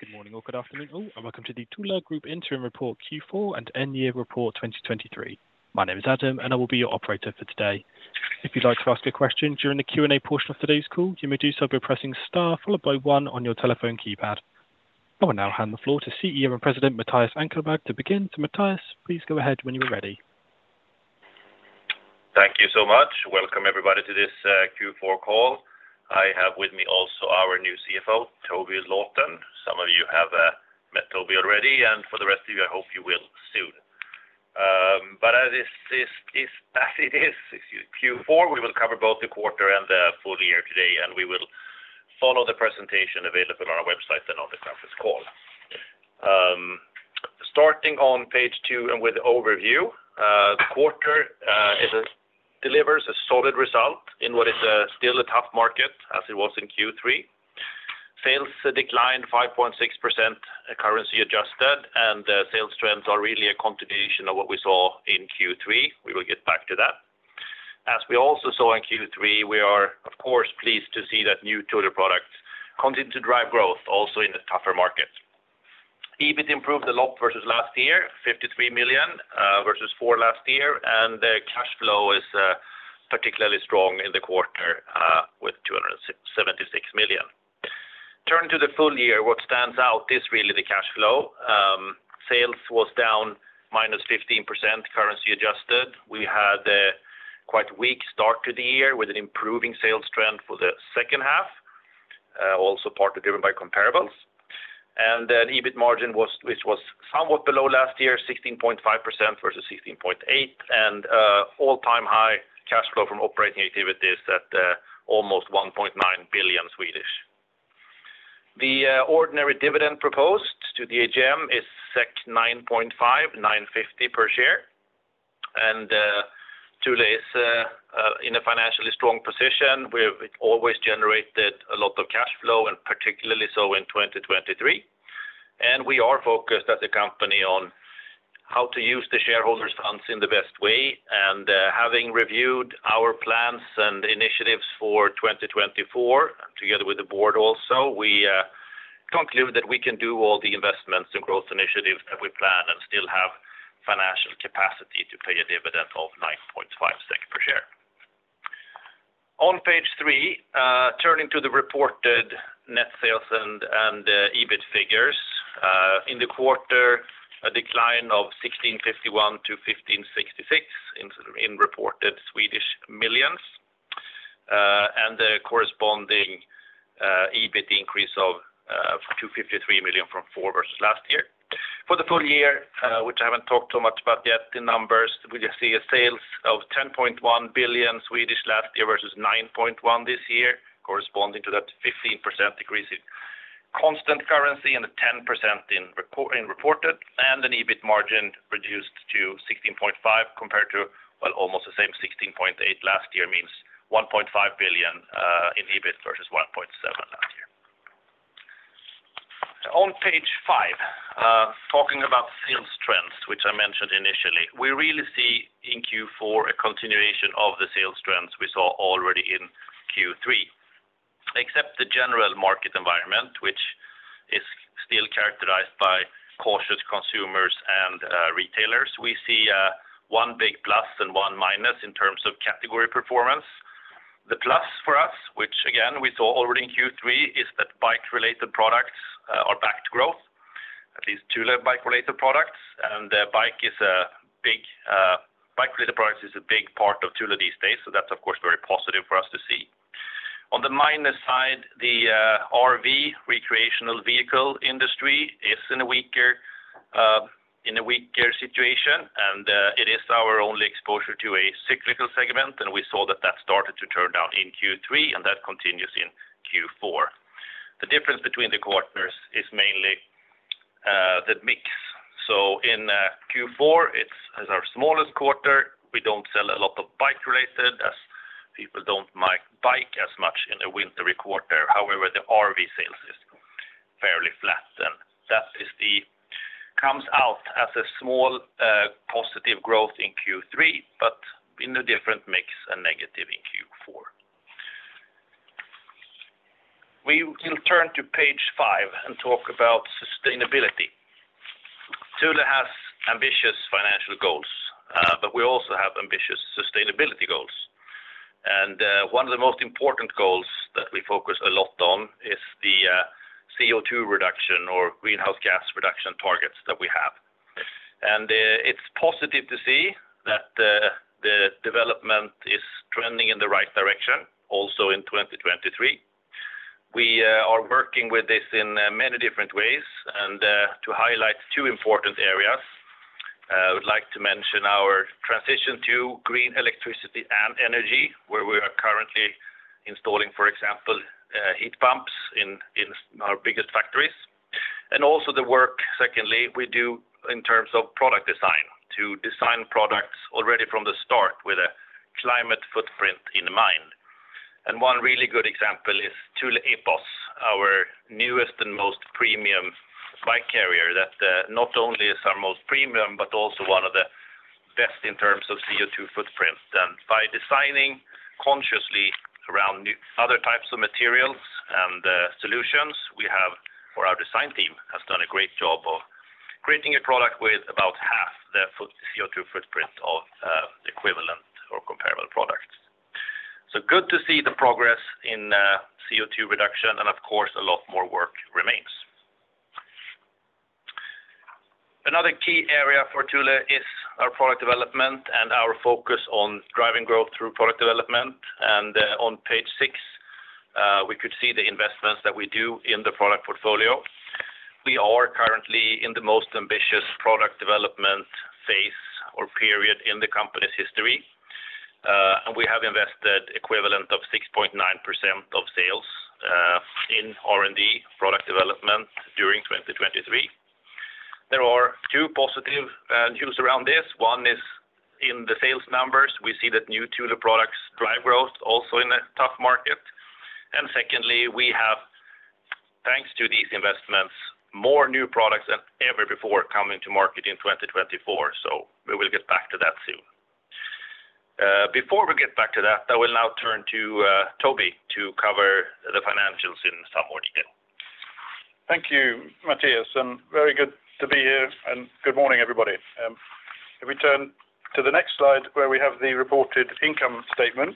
Good morning or good afternoon, all, and welcome to the Thule Group Interim Report, Q4 and Year-End Report 2023. My name is Adam, and I will be your operator for today. If you'd like to ask a question during the Q&A portion of today's call, you may do so by pressing star followed by one on your telephone keypad. I will now hand the floor to CEO and President, Mattias Ankarberg, to begin. So Mattias, please go ahead when you are ready. Thank you so much. Welcome, everybody, to this Q4 call. I have with me also our new CFO, Toby Lawton. Some of you have met Toby already, and for the rest of you, I hope you will soon. But as it is Q4, we will cover both the quarter and the full year today, and we will follow the presentation available on our website and on this conference call. Starting on page 2 and with the overview, the quarter delivers a solid result in what is still a tough market as it was in Q3. Sales declined 5.6% currency adjusted, and the sales trends are really a continuation of what we saw in Q3. We will get back to that. As we also saw in Q3, we are, of course, pleased to see that new Thule products continue to drive growth, also in the tougher markets. EBIT improved a lot versus last year, 53 million versus 4 million last year, and the cash flow is particularly strong in the quarter with 276 million. Turn to the full year, what stands out is really the cash flow. Sales was down -15%, currency adjusted. We had a quite weak start to the year, with an improving sales trend for the second half, also partly driven by comparables. And then EBIT margin was, which was somewhat below last year, 16.5% versus 16.8%, and all-time high cash flow from operating activities at almost 1.9 billion Swedish. The ordinary dividend proposed to the AGM is 9.50 per share, and Thule is in a financially strong position. We've always generated a lot of cash flow, and particularly so in 2023. We are focused at the company on how to use the shareholders funds in the best way, and having reviewed our plans and initiatives for 2024, together with the board also, we conclude that we can do all the investments and growth initiatives that we plan and still have financial capacity to pay a dividend of 9.5 SEK per share. On page three, turning to the reported net sales and EBIT figures. In the quarter, a decline of 1,651 to 1,566 in reported millions, and the corresponding EBIT increase of 253 million from 4 versus last year. For the full year, which I haven't talked too much about yet, the numbers, we just see sales of 10.1 billion last year versus 9.1 billion this year, corresponding to that 15% decrease in constant currency and a 10% in reported, and an EBIT margin reduced to 16.5%, compared to, well, almost the same 16.8% last year, means 1.5 billion in EBIT versus 1.7 billion last year. On page five, talking about sales trends, which I mentioned initially, we really see in Q4 a continuation of the sales trends we saw already in Q3. Except the general market environment, which is still characterized by cautious consumers and retailers. We see one big plus and one minus in terms of category performance. The plus for us, which again, we saw already in Q3, is that bike-related products are back to growth, at least Thule bike-related products, and the bike is a big, bike-related products is a big part of Thule these days, so that's, of course, very positive for us to see. On the minus side, the RV, recreational vehicle industry, is in a weaker situation, and it is our only exposure to a cyclical segment, and we saw that that started to turn down in Q3, and that continues in Q4. The difference between the quarters is mainly the mix. So in Q4, it's our smallest quarter, we don't sell a lot of bike related as people don't bike as much in a wintery quarter. However, the RV sales is fairly flat, and that comes out as a small positive growth in Q3, but in a different mix and negative in Q4. We will turn to page five and talk about sustainability. Thule has ambitious financial goals, but we also have ambitious sustainability goals. And one of the most important goals that we focus a lot on is the CO2 reduction or greenhouse gas reduction targets that we have. And it's positive to see that the development is trending in the right direction, also in 2023. We are working with this in many different ways, and to highlight two important areas, I would like to mention our transition to green electricity and energy, where we are currently installing, for example, heat pumps in our biggest factories, and also the work, secondly, we do in terms of product design, to design products already from the start with a climate footprint in mind. And one really good example is Thule Epos, our newest and most premium bike carrier, that not only is our most premium, but also one of the best in terms of CO₂ footprint. And by designing consciously around new other types of materials and solutions, we have, or our design team has done a great job of creating a product with about half the CO₂ footprint of equivalent or comparable products. So good to see the progress in CO₂ reduction, and of course, a lot more work remains. Another key area for Thule is our product development and our focus on driving growth through product development. And on page 6, we could see the investments that we do in the product portfolio. We are currently in the most ambitious product development phase or period in the company's history, and we have invested equivalent of 6.9% of sales in R&D product development during 2023. There are two positive news around this. One is in the sales numbers. We see that new Thule products drive growth also in a tough market. And secondly, we have, thanks to these investments, more new products than ever before coming to market in 2024. So we will get back to that soon. Before we get back to that, I will now turn to Toby to cover the financials in some more detail. Thank you, Mattias, and very good to be here, and good morning, everybody. If we turn to the next slide, where we have the reported income statement,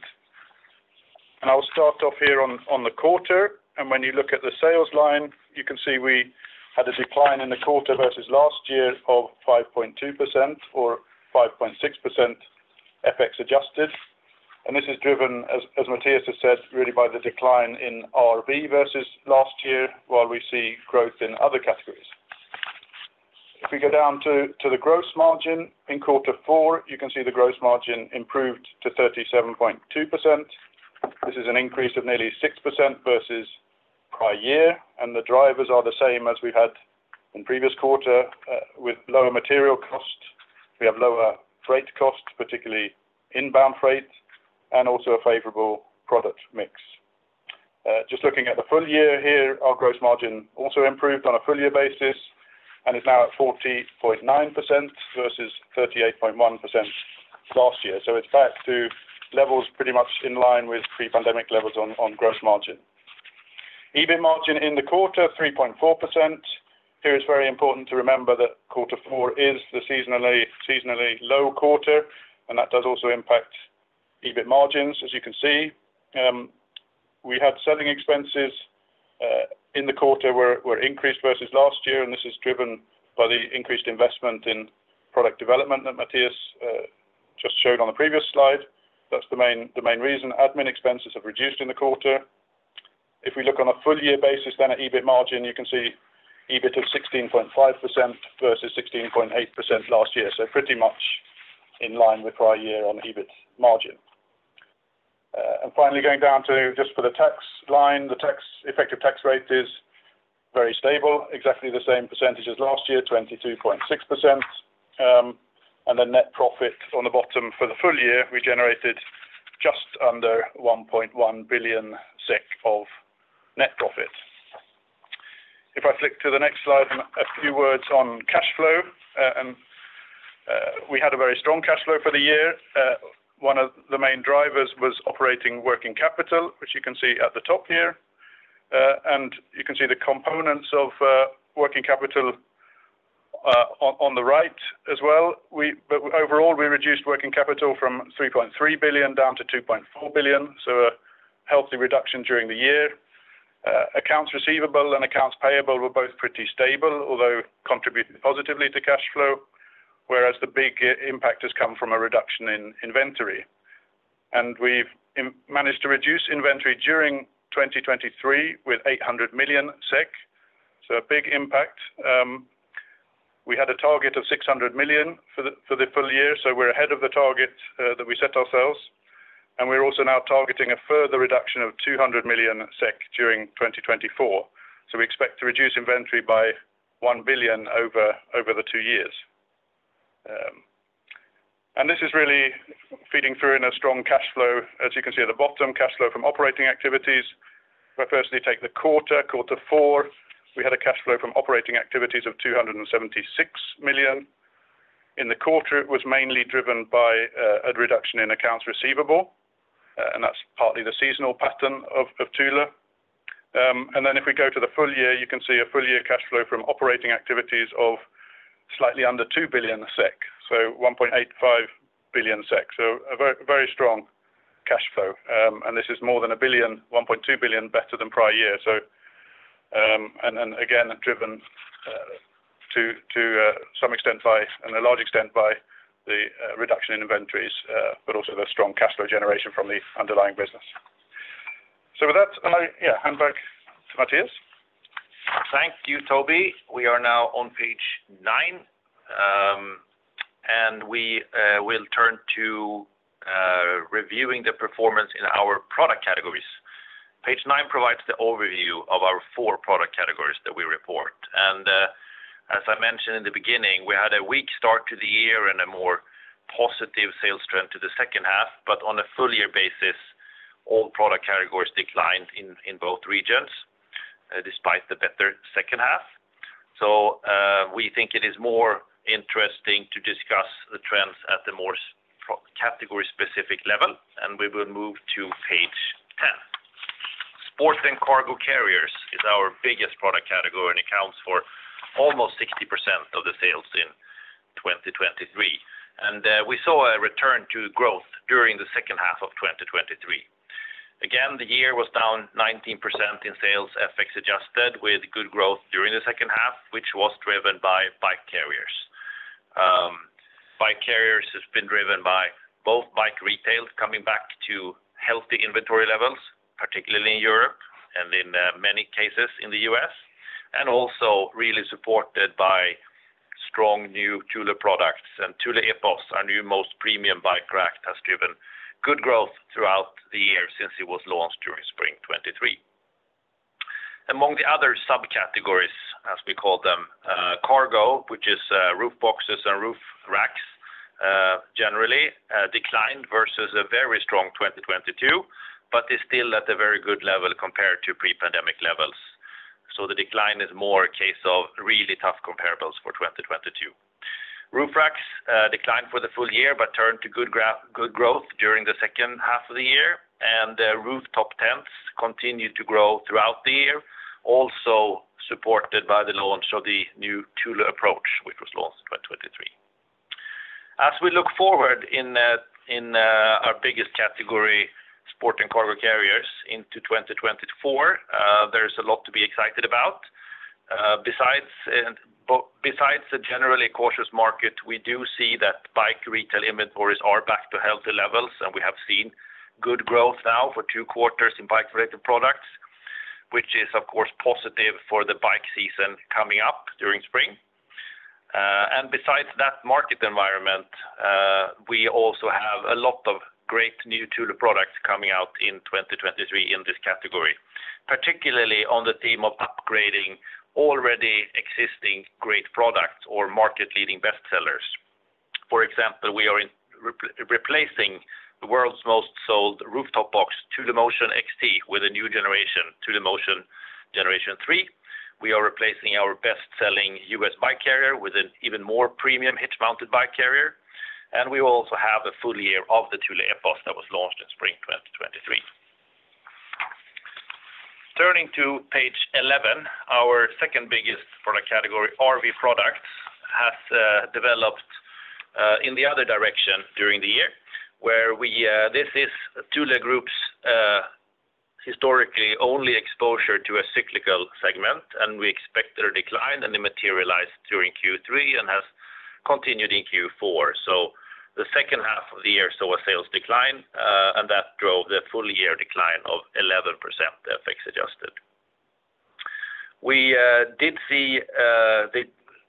and I'll start off here on the quarter. When you look at the sales line, you can see we had a decline in the quarter versus last year of 5.2% or 5.6% FX adjusted. This is driven, as Mattias has said, really by the decline in RV versus last year, while we see growth in other categories. If we go down to the gross margin, in quarter four, you can see the gross margin improved to 37.2%. This is an increase of nearly 6% versus prior year, and the drivers are the same as we've had in previous quarter, with lower material costs. We have lower freight costs, particularly inbound freight, and also a favorable product mix. Just looking at the full year here, our gross margin also improved on a full year basis and is now at 40.9% versus 38.1% last year. So it's back to levels pretty much in line with pre-pandemic levels on gross margin. EBIT margin in the quarter, 3.4%. Here, it's very important to remember that quarter four is the seasonally low quarter, and that does also impact EBIT margins, as you can see. We had selling expenses in the quarter were increased versus last year, and this is driven by the increased investment in product development that Mattias just showed on the previous slide. That's the main reason admin expenses have reduced in the quarter. If we look on a full year basis, then an EBIT margin, you can see EBIT of 16.5% versus 16.8% last year. So pretty much in line with our year on EBIT margin. And finally, going down to just for the tax line, the tax, effective tax rate is very stable, exactly the same percentage as last year, 22.6%. And the net profit on the bottom for the full year, we generated just under 1.1 billion SEK of net profit. If I flick to the next slide, a few words on cash flow, and we had a very strong cash flow for the year. One of the main drivers was operating working capital, which you can see at the top here, and you can see the components of working capital on the right as well. But overall, we reduced working capital from 3.3 billion down to 2.4 billion, so a healthy reduction during the year. Accounts receivable and accounts payable were both pretty stable, although contributed positively to cash flow, whereas the big impact has come from a reduction in inventory. And we've managed to reduce inventory during 2023 with 800 million SEK, so a big impact. We had a target of 600 million for the full year, so we're ahead of the target that we set ourselves, and we're also now targeting a further reduction of 200 million SEK during 2024. So we expect to reduce inventory by 1 billion over the two years. And this is really feeding through in a strong cash flow. As you can see at the bottom, cash flow from operating activities, where firstly, take the quarter, quarter four, we had a cash flow from operating activities of 276 million. In the quarter, it was mainly driven by a reduction in accounts receivable, and that's partly the seasonal pattern of Thule. And then if we go to the full year, you can see a full year cash flow from operating activities of slightly under 2 billion SEK, so 1.85 billion SEK. So a very, very strong cash flow. And this is more than a billion, 1.2 billion better than prior year. So... And then, again, driven to some extent by, and to a large extent by the reduction in inventories, but also the strong cash flow generation from the underlying business. So with that, I yeah, hand back to Mattias. Thank you, Toby. We are now on page 9 and we will turn to reviewing the performance in our product categories. Page 9 provides the overview of our 4 product categories that we report. As I mentioned in the beginning, we had a weak start to the year and a more positive sales trend to the second half, but on a full year basis, all product categories declined in both regions. Despite the better second half. We think it is more interesting to discuss the trends at the more category-specific level, and we will move to page 10. Sport & Cargo Carriers is our biggest product category and accounts for almost 60% of the sales in 2023, and we saw a return to growth during the second half of 2023. Again, the year was down 19% in sales, FX adjusted, with good growth during the second half, which was driven by bike carriers. Bike carriers has been driven by both bike retail coming back to healthy inventory levels, particularly in Europe and in many cases in the U.S., and also really supported by strong new Thule products. Thule Epos, our new most premium bike rack, has driven good growth throughout the year since it was launched during spring 2023. Among the other subcategories, as we call them, cargo, which is roof boxes and roof racks, generally declined versus a very strong 2022, but is still at a very good level compared to pre-pandemic levels. The decline is more a case of really tough comparables for 2022. Roof racks declined for the full year, but turned to good growth during the second half of the year, and the rooftop tents continued to grow throughout the year, also supported by the launch of the new Thule Approach, which was launched in 2023. As we look forward in our biggest category, sport and cargo carriers, into 2024, there is a lot to be excited about. Besides the generally cautious market, we do see that bike retail inventories are back to healthy levels, and we have seen good growth now for two quarters in bike-related products, which is, of course, positive for the bike season coming up during spring. and besides that market environment, we also have a lot of great new Thule products coming out in 2023 in this category, particularly on the theme of upgrading already existing great products or market-leading bestsellers. For example, we are replacing the world's most sold rooftop box, Thule Motion XT, with a new generation, Thule Motion Generation 3. We are replacing our best-selling U.S. bike carrier with an even more premium hitch-mounted bike carrier, and we will also have a full year of the Thule Epos that was launched in spring 2023. Turning to page 11, our second biggest product category, RV products, has developed in the other direction during the year, where this is Thule Group's historically only exposure to a cyclical segment, and we expect a decline, and it materialized during Q3 and has continued in Q4. So the second half of the year saw a sales decline, and that drove the full year decline of 11%, FX adjusted. We did see the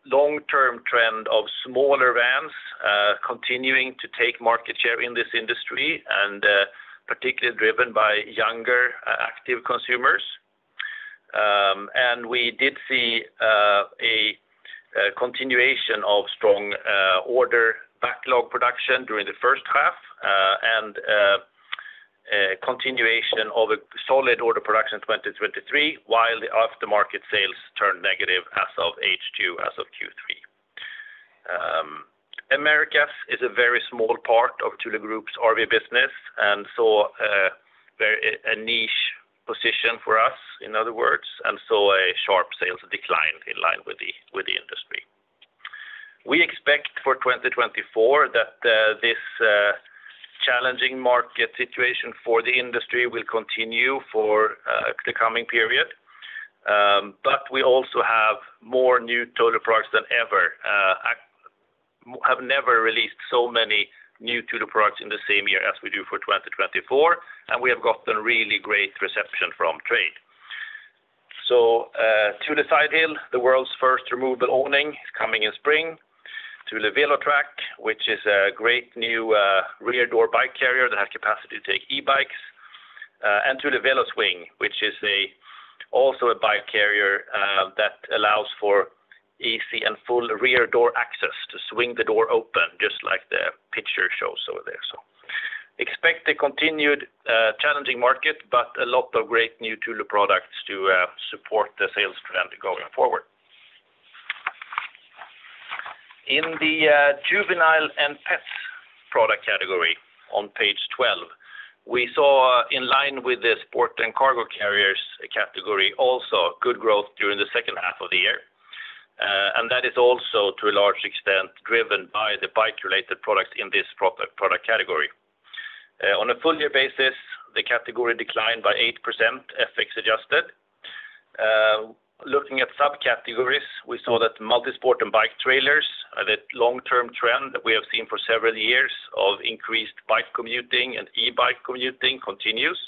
long-term trend of smaller vans continuing to take market share in this industry, and particularly driven by younger, active consumers. And we did see a continuation of strong order backlog production during the first half, and a continuation of a solid order production in 2023, while the aftermarket sales turned negative as of H2, as of Q3. Americas is a very small part of Thule Group's RV business and saw a very niche position for us, in other words, and saw a sharp sales decline in line with the industry. We expect for 2024 that this challenging market situation for the industry will continue for the coming period. But we also have more new Thule products than ever. I have never released so many new Thule products in the same year as we do for 2024, and we have gotten really great reception from trade. So, Thule Sidehill, the world's first removable awning, coming in spring. Thule VeloTrack, which is a great new rear door bike carrier that has capacity to take e-bikes, and Thule VeloSwing, which is also a bike carrier that allows for easy and full rear door access to swing the door open, just like the picture shows over there. So expect a continued challenging market, but a lot of great new Thule products to support the sales trend going forward. In the juvenile and pets product category on page 12, we saw, in line with the sport and cargo carriers category, also good growth during the second half of the year. And that is also, to a large extent, driven by the bike-related products in this product category. On a full year basis, the category declined by 8%, FX adjusted. Looking at subcategories, we saw that multisport and bike trailers, the long-term trend that we have seen for several years of increased bike commuting and e-bike commuting continues.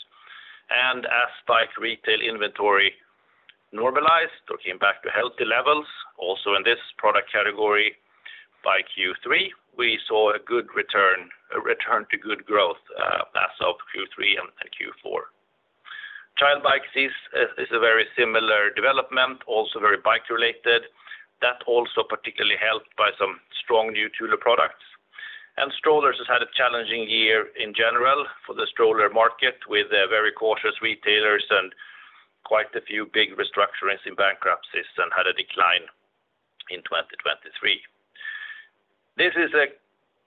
And as bike retail inventory normalized or came back to healthy levels, also in this product category, by Q3, we saw a good return, a return to good growth, as of Q3 and Q4. Child bikes is a very similar development, also very bike-related. That also particularly helped by some strong new Thule products. And strollers has had a challenging year in general for the stroller market, with very cautious retailers and quite a few big restructurings in bankruptcies and had a decline in 2023. This is a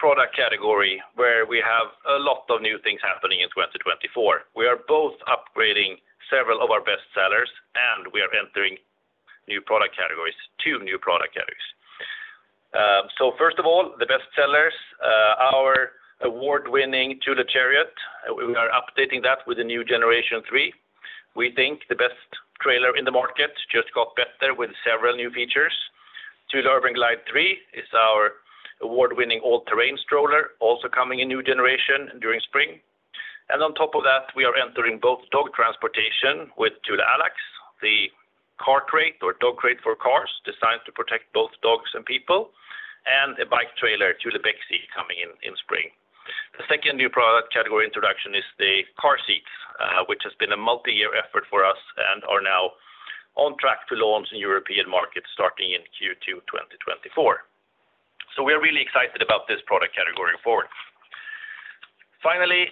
product category where we have a lot of new things happening in 2024. We are both upgrading several of our best sellers, and we are entering new product categories, two new product categories. So first of all, the best sellers, our award-winning Thule Chariot. We are updating that with a new generation 3. We think the best trailer in the market just got better with several new features. Thule Urban Glide 3 is our award-winning all-terrain stroller, also coming in new generation during spring. And on top of that, we are entering both dog transportation with Thule Allax, the car crate or dog crate for cars, designed to protect both dogs and people, and a bike trailer, Thule Bexey, coming in, in spring. The second new product category introduction is the car seats, which has been a multi-year effort for us and are now on track to launch in European markets starting in Q2 2024. So we are really excited about this product category forward. Finally,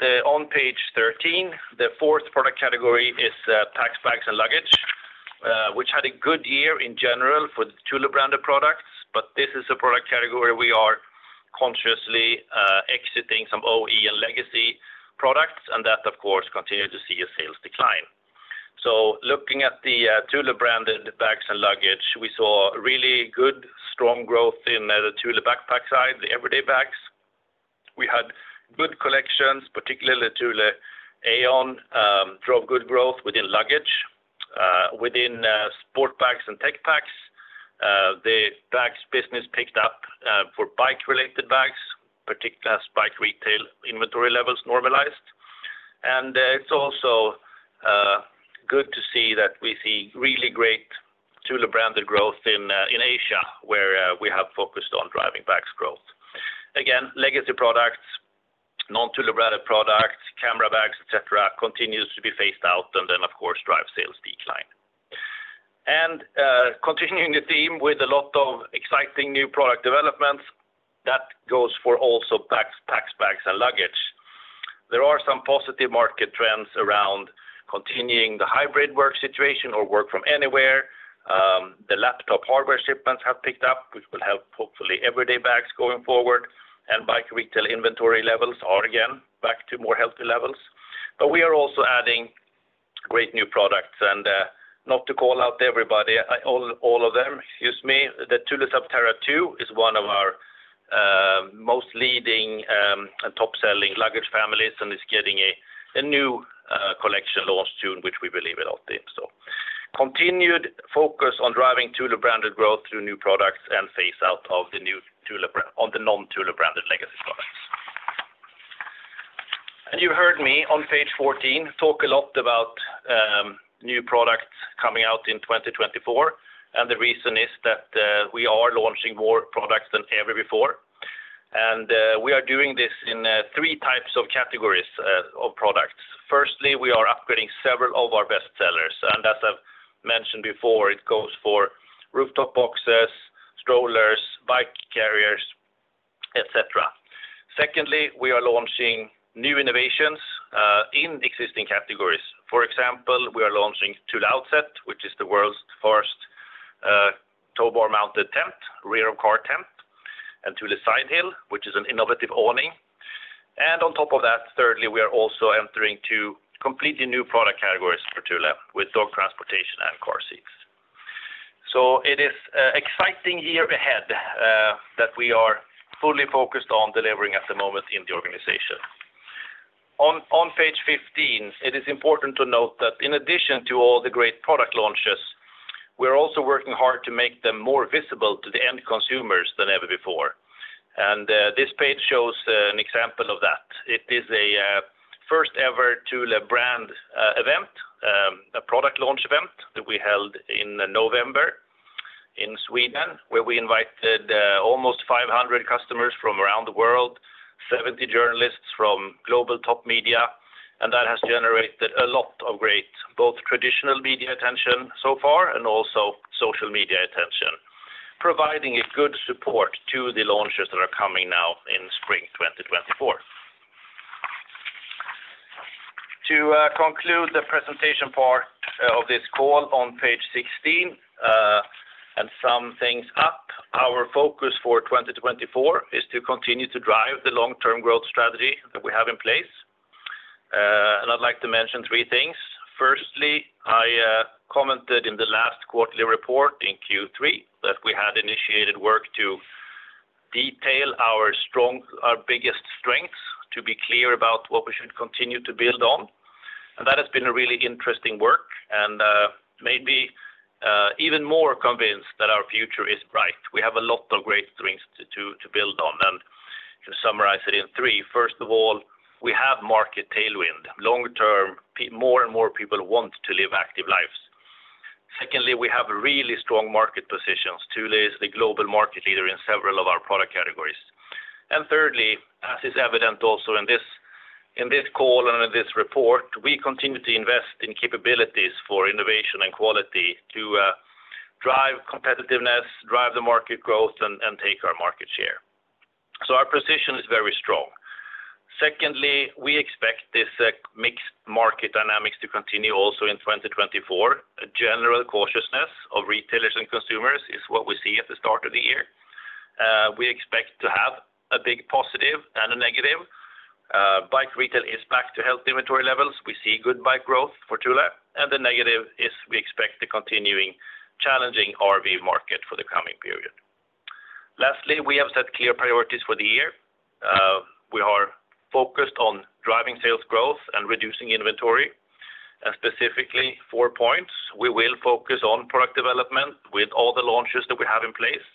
then on page 13, the fourth product category is packs, bags, and luggage, which had a good year in general for the Thule branded products. But this is a product category we are consciously exiting some OE and legacy products, and that, of course, continue to see a sales decline. So looking at the Thule branded bags and luggage, we saw really good, strong growth in the Thule backpack side, the everyday bags. We had good collections, particularly Thule Aion drove good growth within luggage, within sport bags and tech packs. The bags business picked up for bike-related bags, particularly as bike retail inventory levels normalized. And it's also good to see that we see really great Thule branded growth in Asia, where we have focused on driving bags growth. Again, legacy products, non-Thule branded products, camera bags, et cetera, continues to be phased out and then, of course, drive sales decline. And continuing the theme with a lot of exciting new product developments, that goes for also packs, bags, and luggage. There are some positive market trends around continuing the hybrid work situation or work from anywhere. The laptop hardware shipments have picked up, which will help hopefully everyday bags going forward, and bike retail inventory levels are again back to more healthy levels. But we are also adding great new products, and not to call out everybody, all of them, excuse me. The Thule Subterra 2 is one of our most leading and top-selling luggage families, and it's getting a new collection launched soon, which we believe in a lot in. So continued focus on driving Thule branded growth through new products and phase out of the new Thule brand, on the non-Thule branded legacy products. And you heard me on page 14 talk a lot about new products coming out in 2024, and the reason is that we are launching more products than ever before. And we are doing this in three types of categories of products. Firstly, we are upgrading several of our best sellers, and as I've mentioned before, it goes for rooftop boxes, strollers, bike carriers, et cetera. Secondly, we are launching new innovations in existing categories. For example, we are launching Thule Outset, which is the world's first tow bar-mounted tent, rear of car tent, and Thule Sidehill, which is an innovative awning. And on top of that, thirdly, we are also entering two completely new product categories for Thule with dog transportation and car seats. So it is an exciting year ahead that we are fully focused on delivering at the moment in the organization. On page 15, it is important to note that in addition to all the great product launches, we're also working hard to make them more visible to the end consumers than ever before. And this page shows an example of that. It is a first-ever Thule brand event, a product launch event that we held in November in Sweden, where we invited almost 500 customers from around the world, 70 journalists from global top media, and that has generated a lot of great, both traditional media attention so far and also social media attention, providing a good support to the launches that are coming now in spring 2024. To conclude the presentation part of this call on page 16 and sum things up, our focus for 2024 is to continue to drive the long-term growth strategy that we have in place. And I'd like to mention three things. Firstly, I commented in the last quarterly report in Q3 that we had initiated work to detail our biggest strengths, to be clear about what we should continue to build on. And that has been a really interesting work and made me even more convinced that our future is bright. We have a lot of great strengths to build on. And to summarize it in three, first of all, we have market tailwind. Long term, more and more people want to live active lives. Secondly, we have a really strong market positions. Thule is the global market leader in several of our product categories. And thirdly, as is evident also in this call and in this report, we continue to invest in capabilities for innovation and quality to drive competitiveness, drive the market growth, and take our market share. So our position is very strong. Secondly, we expect this mixed market dynamics to continue also in 2024. A general cautiousness of retailers and consumers is what we see at the start of the year. We expect to have a big positive and a negative. Bike retail is back to healthy inventory levels. We see good bike growth for Thule, and the negative is we expect the continuing challenging RV market for the coming period. Lastly, we have set clear priorities for the year. We are focused on driving sales growth and reducing inventory, and specifically four points. We will focus on product development with all the launches that we have in place.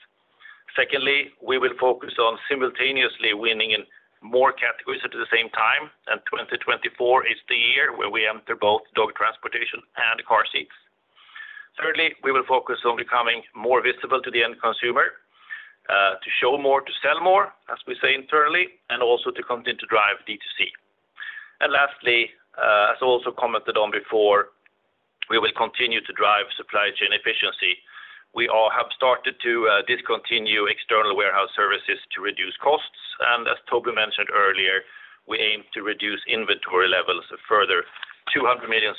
Secondly, we will focus on simultaneously winning in more categories at the same time, and 2024 is the year where we enter both dog transportation and car seats. Thirdly, we will focus on becoming more visible to the end consumer, to show more, to sell more, as we say internally, and also to continue to drive DTC. And lastly, as also commented on before, we will continue to drive supply chain efficiency. We all have started to discontinue external warehouse services to reduce costs, and as Toby mentioned earlier, we aim to reduce inventory levels a further 200 million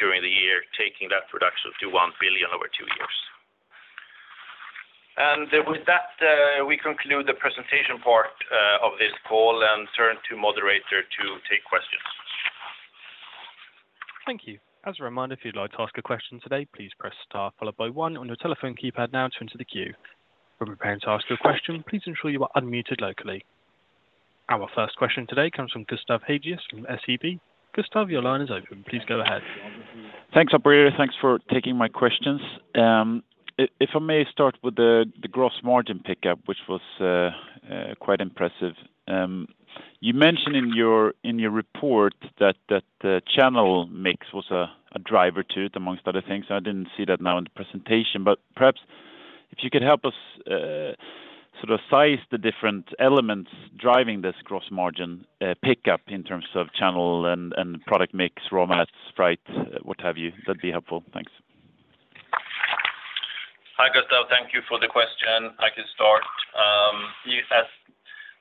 during the year, taking that reduction to 1 billion over two years. With that, we conclude the presentation part of this call and turn to moderator to take questions. Thank you. As a reminder, if you'd like to ask a question today, please press star followed by one on your telephone keypad now to enter the queue. When preparing to ask your question, please ensure you are unmuted locally. Our first question today comes from Gustav Hagéus from SEB. Gustav, your line is open. Please go ahead. Thanks, operator. Thanks for taking my questions. If I may start with the gross margin pickup, which was quite impressive. You mentioned in your report that the channel mix was a driver to it, among other things. I didn't see that now in the presentation, but perhaps if you could help us sort of size the different elements driving this gross margin pickup in terms of channel and product mix, raw mats, freight, what have you, that'd be helpful. Thanks. Hi, Gustav, thank you for the question. I can start. You said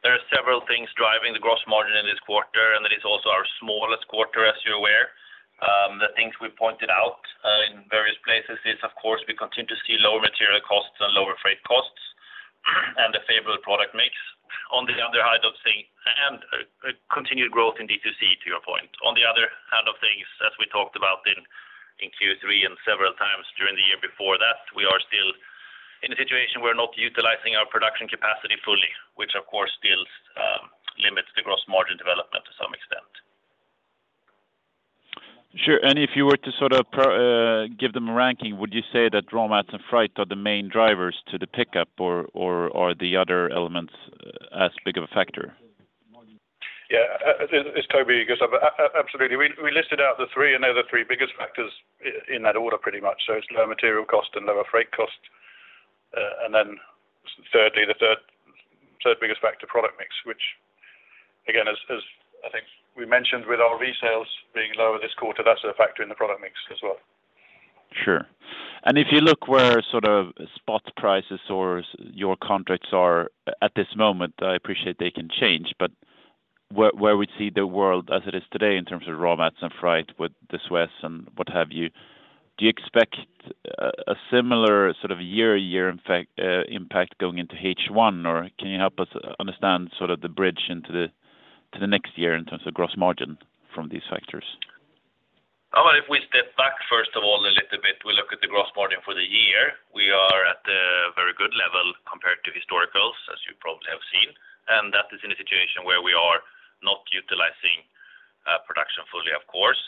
there are several things driving the gross margin in this quarter, and it is also our smallest quarter, as you're aware. The things we pointed out in various places is, of course, we continue to see lower material costs and lower freight costs, and the favorable product mix. On the other hand, of things and a continued growth in DTC, to your point. On the other hand of things, as we talked about in Q3 and several times during the year before that, we are still in a situation we're not utilizing our production capacity fully, which of course still limits the gross margin development to some extent. Sure. And if you were to sort of pro-- give them a ranking, would you say that raw mats and freight are the main drivers to the pickup, or, or, are the other elements as big of a factor? Yeah, it's Toby, Gustav. Absolutely. We listed out the three, and they're the three biggest factors in that order, pretty much. So it's lower material cost and lower freight cost, and then thirdly, the third biggest factor, product mix, which again, as I think we mentioned, with our resales being lower this quarter, that's a factor in the product mix as well. Sure. And if you look where sort of spot prices or your contracts are at this moment, I appreciate they can change, but where we see the world as it is today in terms of raw mats and freight with the Suez and what have you, do you expect a similar sort of year to year, in fact, impact going into H1? Or can you help us understand sort of the bridge into the to the next year in terms of gross margin from these factors? Oh, if we step back, first of all, a little bit, we look at the gross margin for the year. We are at a very good level compared to historicals, as you probably have seen, and that is in a situation where we are not utilizing production fully, of course.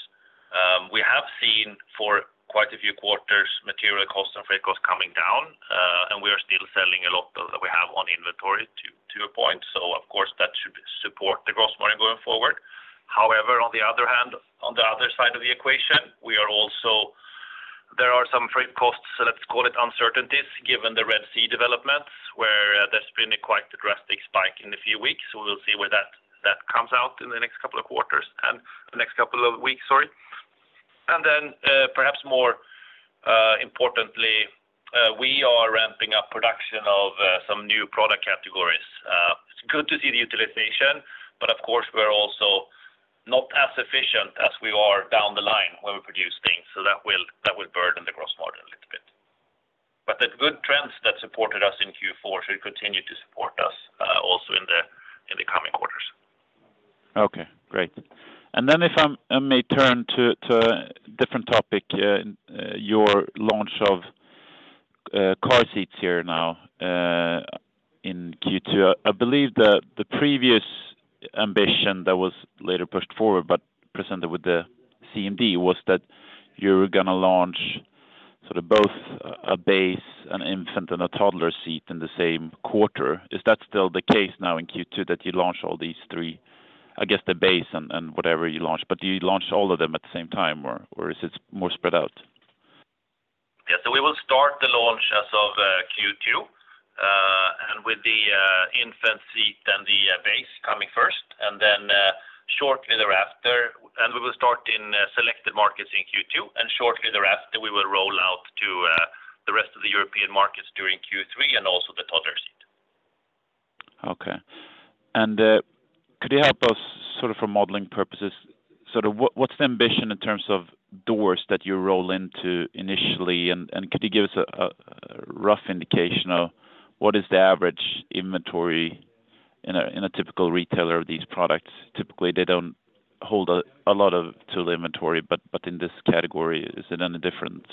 We have seen for quite a few quarters, material costs and freight costs coming down, and we are still selling a lot that we have on inventory to a point. So of course, that should support the gross margin going forward. However, on the other hand, on the other side of the equation, we are also, there are some freight costs, let's call it uncertainties, given the Red Sea developments, where there's been quite a drastic spike in a few weeks. We will see where that comes out in the next couple of quarters and the next couple of weeks, sorry. And then, perhaps more importantly, we are ramping up production of some new product categories. It's good to see the utilization, but of course, we're also not as efficient as we are down the line when we produce things, so that will burden the gross margin a little bit. But the good trends that supported us in Q4 should continue to support us also in the coming quarters. Okay, great. And then if I may turn to a different topic, your launch of car seats here now in Q2. I believe the previous ambition that was later pushed forward, but presented with the CMD, was that you were gonna launch sort of both a base, an infant, and a toddler seat in the same quarter. Is that still the case now in Q2, that you launch all these three? I guess the base and whatever you launch, but do you launch all of them at the same time, or is it more spread out? ...So we will start the launch as of Q2, and with the infant seat and the base coming first, and then shortly thereafter. We will start in selected markets in Q2, and shortly thereafter, we will roll out to the rest of the European markets during Q3 and also the toddler seat. Okay. Could you help us, sort of, from modeling purposes, sort of, what's the ambition in terms of doors that you roll into initially? And could you give us a rough indication of what the average inventory is in a typical retailer of these products? Typically, they don't hold a lot of tool inventory, but in this category, is it any different?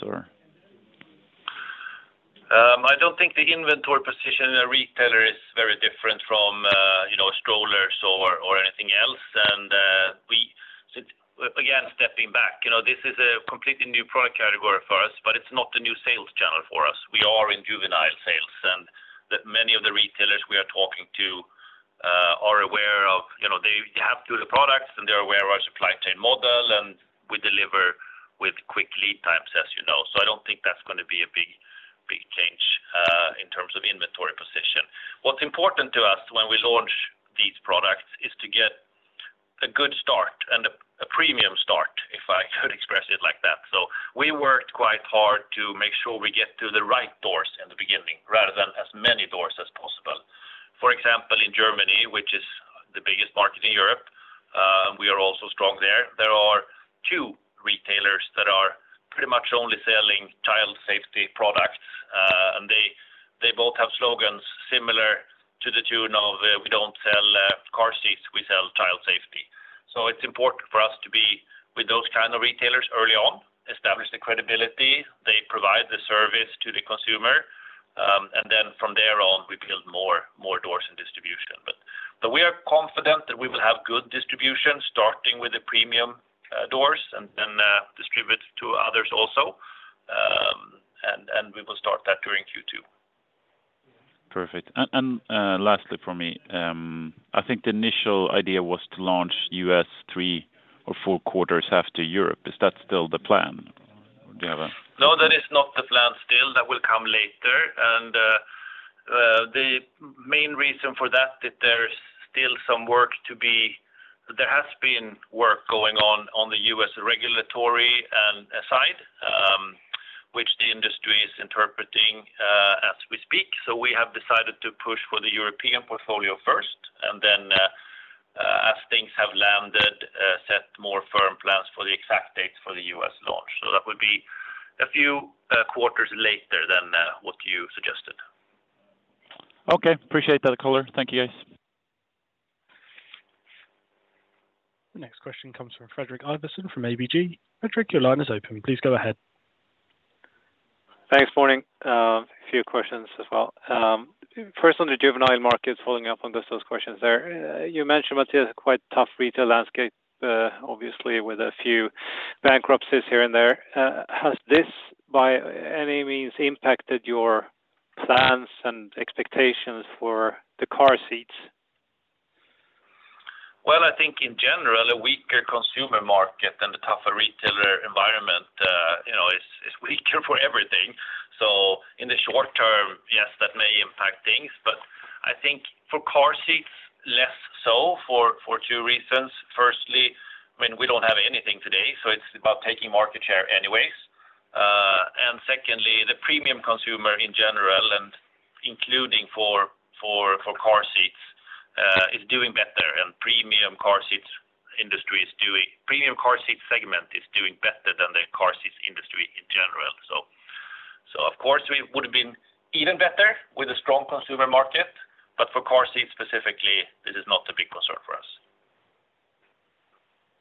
I don't think the inventory position in a retailer is very different from, you know, strollers or, or anything else. So again, stepping back, you know, this is a completely new product category for us, but it's not a new sales channel for us. We are in juvenile sales, and the many of the retailers we are talking to are aware of, you know, they have two of the products, and they're aware of our supply chain model, and we deliver with quick lead times, as you know. So I don't think that's gonna be a big, big change in terms of inventory position. What's important to us when we launch these products is to get a good start and a premium start, if I could express it like that. So we worked quite hard to make sure we get to the right doors in the beginning, rather than as many doors as possible. For example, in Germany, which is the biggest market in Europe, we are also strong there. There are two retailers that are pretty much only selling child safety products, and they both have slogans similar to the tune of, "We don't sell car seats, we sell child safety." So it's important for us to be with those kind of retailers early on, establish the credibility, they provide the service to the consumer, and then from there on, we build more doors and distribution. But we are confident that we will have good distribution, starting with the premium doors, and then distribute to others also. And we will start that during Q2. Perfect. And lastly, for me, I think the initial idea was to launch U.S. three or four quarters after Europe. Is that still the plan? Do you have a- No, that is not the plan still. That will come later. And the main reason for that, there has been work going on the U.S. regulatory side, which the industry is interpreting as we speak. So we have decided to push for the European portfolio first, and then, as things have landed, set more firm plans for the exact dates for the U.S. launch. So that would be a few quarters later than what you suggested. Okay, appreciate that, Color. Thank you, guys. The next question comes from Fredrik Ivarsson, from ABG. Fredrik, your line is open. Please go ahead. Thanks, morning. A few questions as well. First, on the juvenile markets, following up on just those questions there, you mentioned that it's a quite tough retail landscape, obviously, with a few bankruptcies here and there. Has this, by any means, impacted your plans and expectations for the car seats? Well, I think in general, a weaker consumer market and a tougher retailer environment, you know, is weaker for everything. So in the short term, yes, that may impact things, but I think for car seats, less so for two reasons. Firstly, when we don't have anything today, so it's about taking market share anyways. And secondly, the premium consumer in general, and including for car seats, is doing better, and premium car seats industry is doing, premium car seat segment is doing better than the car seat industry in general. So, of course, we would have been even better with a strong consumer market, but for car seats, specifically, this is not a big concern for us.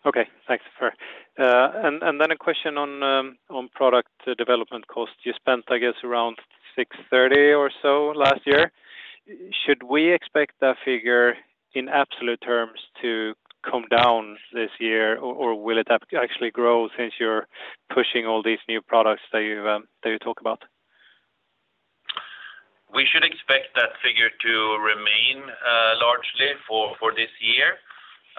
Okay, thanks for... and then a question on product development cost. You spent, I guess, around 630 or so last year. Should we expect that figure in absolute terms to come down this year, or will it actually grow since you're pushing all these new products that you talk about? We should expect that figure to remain largely for this year.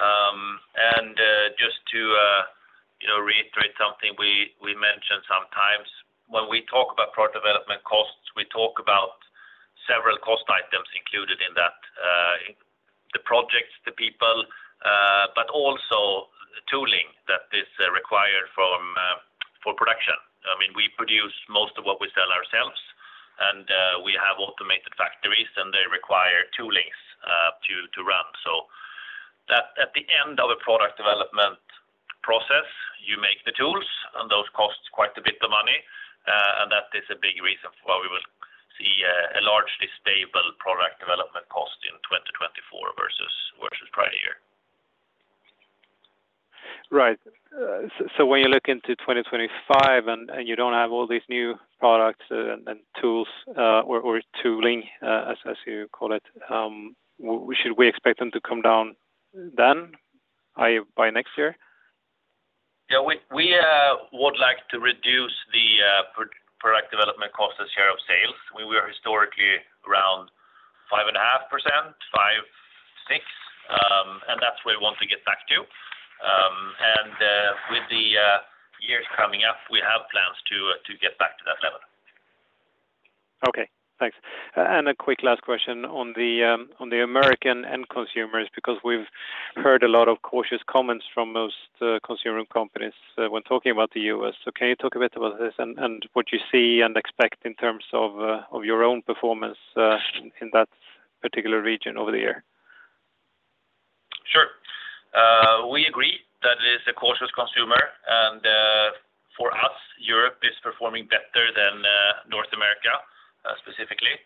And just to you know, reiterate something we mentioned sometimes, when we talk about product development costs, we talk about several cost items included in that, the projects, the people, but also tooling that is required for production. I mean, we produce most of what we sell ourselves, and we have automated factories, and they require toolings to run. So that at the end of a product development process, you make the tools, and those costs quite a bit of money, and that is a big reason why we will see a largely stable product development cost in 2024 versus prior year. Right. So, when you look into 2025 and you don't have all these new products and tools or tooling, as you call it, should we expect them to come down then, by next year? Yeah, we would like to reduce the product development cost as share of sales. We were historically around 5.5%, 5%, 6%... where we want to get back to. And with the years coming up, we have plans to get back to that level. Okay, thanks. A quick last question on the American end consumers, because we've heard a lot of cautious comments from most consumer companies when talking about the U.S. So can you talk a bit about this and, and what you see and expect in terms of your own performance in that particular region over the year? Sure. We agree that it is a cautious consumer, and for us, Europe is performing better than North America, specifically.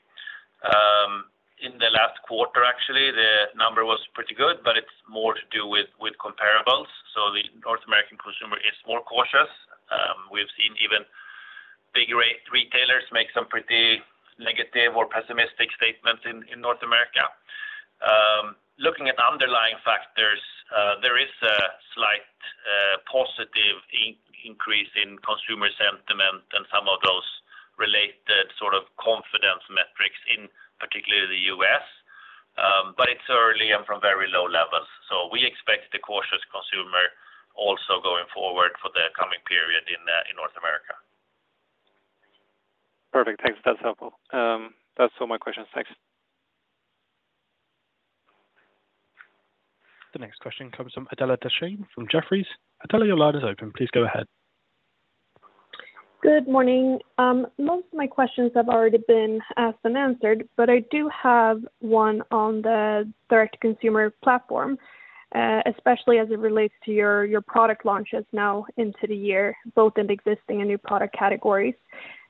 In the last quarter, actually, the number was pretty good, but it's more to do with comparables, so the North American consumer is more cautious. We've seen even big-box retailers make some pretty negative or pessimistic statements in North America. Looking at underlying factors, there is a slight positive increase in consumer sentiment and some of those related sort of confidence metrics, particularly in the U.S., but it's early and from very low levels. So we expect the cautious consumer also going forward for the coming period in North America. Perfect. Thanks. That's helpful. That's all my questions. Thanks. The next question comes from Adela Dashian, from Jefferies. Adela, your line is open. Please go ahead. Good morning. Most of my questions have already been asked and answered, but I do have one on the direct consumer platform, especially as it relates to your product launches now into the year, both in existing and new product categories.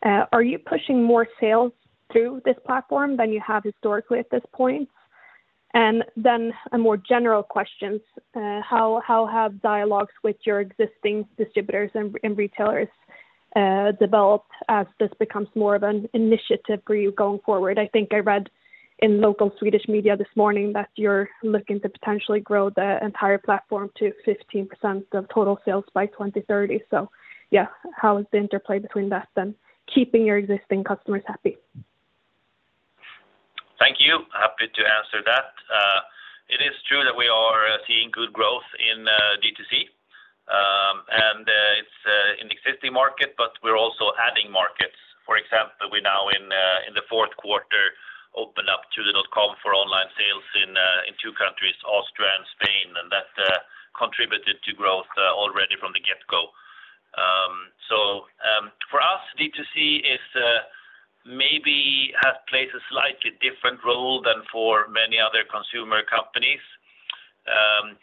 Are you pushing more sales through this platform than you have historically at this point? And then a more general question, how have dialogues with your existing distributors and retailers developed as this becomes more of an initiative for you going forward? I think I read in local Swedish media this morning that you're looking to potentially grow the entire platform to 15% of total sales by 2030. So yeah, how is the interplay between that and keeping your existing customers happy? Thank you. Happy to answer that. It is true that we are seeing good growth in DTC, and it's in existing market, but we're also adding markets. For example, we now in the fourth quarter opened up to the dot com for online sales in two countries, Austria and Spain, and that contributed to growth already from the get-go. So, for us, DTC is maybe has played a slightly different role than for many other consumer companies.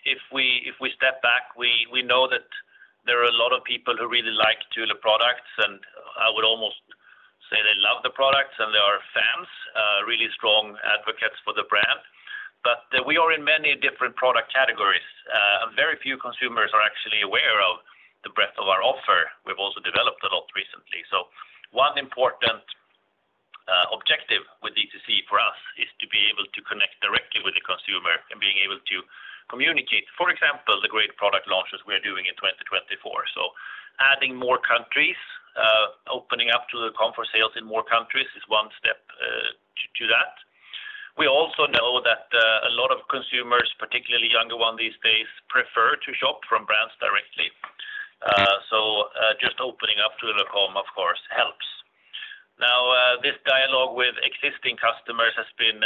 If we, if we step back, we, we know that there are a lot of people who really like Thule products, and I would almost say they love the products, and they are fans really strong advocates for the brand. But we are in many different product categories. Very few consumers are actually aware of the breadth of our offer. We've also developed a lot recently. So one important objective with DTC for us is to be able to connect directly with the consumer and being able to communicate, for example, the great product launches we are doing in 2024. So adding more countries, opening up to the .com for sales in more countries is one step to that. We also know that a lot of consumers, particularly younger ones these days, prefer to shop from brands directly. So just opening up to the .com, of course, helps. Now, this dialogue with existing customers has been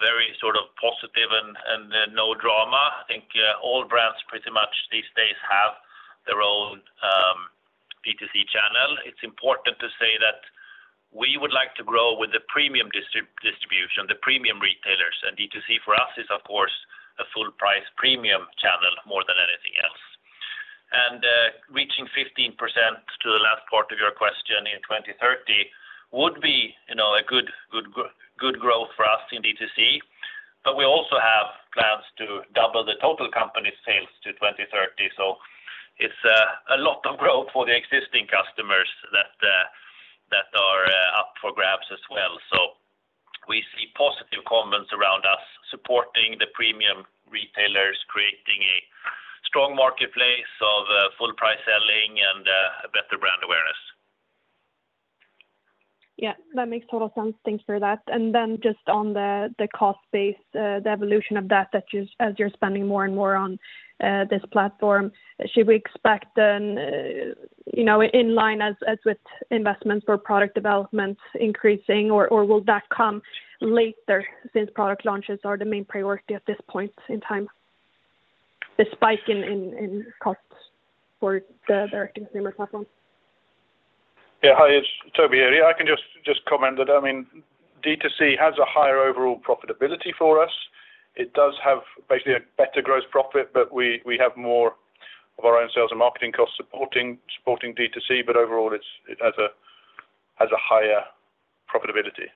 very sort of positive and no drama. I think all brands pretty much these days have their own DTC channel. It's important to say that we would like to grow with the premium distribution, the premium retailers, and DTC, for us, is, of course, a full price premium channel more than anything else. And reaching 15% to the last part of your question in 2030 would be, you know, a good, good, good growth for us in DTC, but we also have plans to double the total company's sales to 2030. So it's a lot of growth for the existing customers that are up for grabs as well. So we see positive comments around us supporting the premium retailers, creating a strong marketplace of full price selling and a better brand awareness. Yeah, that makes total sense. Thanks for that. And then just on the cost base, the evolution of that, as you're spending more and more on this platform, should we expect, you know, in line as with investments for product developments increasing, or will that come later since product launches are the main priority at this point in time? The spike in costs for the direct consumer platform. Yeah, hi, it's Toby here. I can just comment that, I mean, DTC has a higher overall profitability for us. It does have basically a better gross profit, but we have more of our own sales and marketing costs supporting DTC, but overall, it has a higher profitability.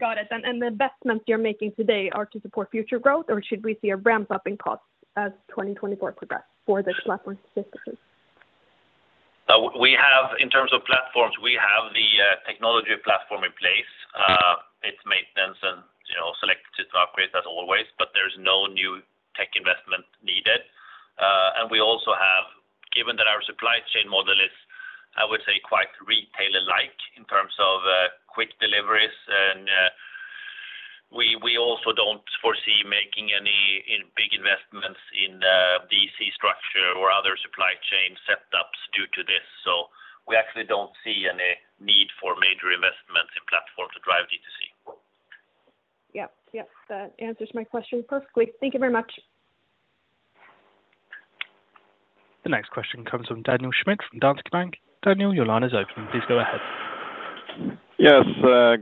Got it. And the investments you're making today are to support future growth, or should we see a ramp-up in costs as 2024 progress for this platform specifically? We have in terms of platforms, we have the technology platform in place. It's maintenance and, you know, selected to upgrade as always, but there's no supply chain model is, I would say, quite retailer-like in terms of quick deliveries. We also don't foresee making any big investments in DC structure or other supply chain setups due to this. So we actually don't see any need for major investments in platform to drive DTC. Yep. Yep, that answers my question perfectly. Thank you very much. The next question comes from Daniel Schmidt from Danske Bank. Daniel, your line is open. Please go ahead. Yes,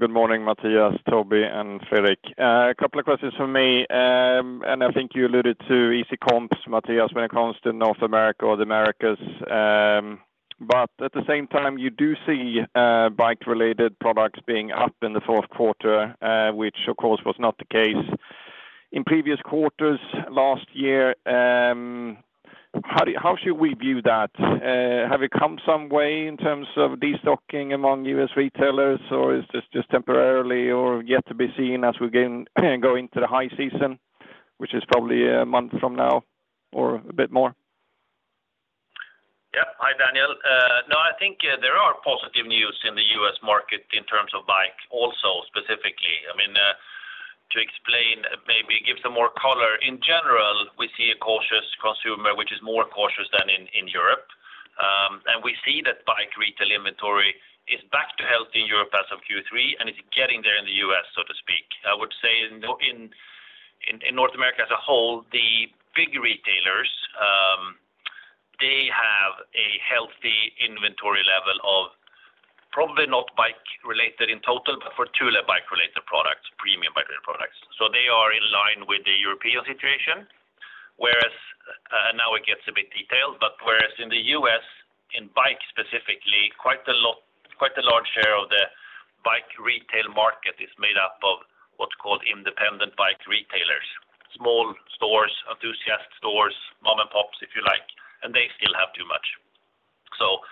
good morning, Mattias, Toby, and Fredrik. A couple of questions from me. And I think you alluded to easy comps, Mattias, when it comes to North America or the Americas. But at the same time, you do see bike-related products being up in the fourth quarter, which, of course, was not the case in previous quarters last year. How should we view that? Have you come some way in terms of destocking among U.S. retailers, or is this just temporarily or yet to be seen as we go into the high season, which is probably a month from now or a bit more? Yep. Hi, Daniel. No, I think there are positive news in the U.S. market in terms of bike, also, specifically. I mean, to explain, maybe give some more color. In general, we see a cautious consumer, which is more cautious than in Europe. And we see that bike retail inventory is back to healthy in Europe as of Q3, and it's getting there in the U.S., so to speak. I would say in North America as a whole, the big retailers, they have a healthy inventory level of probably not bike related in total, but for Thule bike-related products, premium bike-related products. So they are in line with the European situation. Whereas, now it gets a bit detailed, but whereas in the US, in bikes specifically, quite a lot, quite a large share of the bike retail market is made up of what's called independent bike retailers, small stores, enthusiast stores, mom and pops, if you like, and they still have too much. So